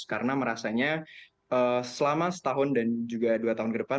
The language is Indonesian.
karena merasanya selama setahun dan juga dua tahun ke depan